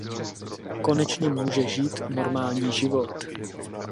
Konečně může žít normální život.